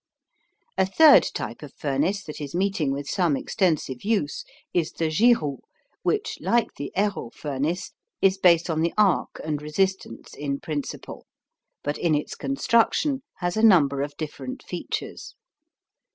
A third type of furnace that is meeting with some extensive use is the Giroud, which, like the Heroult furnace, is based on the arc and resistance in principle, but in its construction has a number of different features.